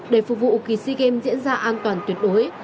để phục vụ kỳ sea games diễn ra an toàn tuyệt đối